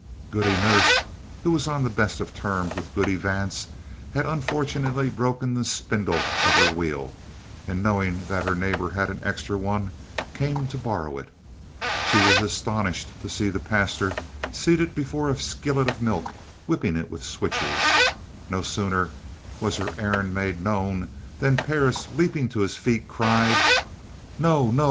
"] Goody Nurse, who was on the best of terms with Goody Vance, had unfortunately broken the spindle of her wheel and, knowing that her neighbor had an extra one, came to borrow it. She was astonished to see their pastor seated before a skillet of milk whipping it with switches. No sooner was her errand made known, than Parris, leaping to his feet, cried: "No! no!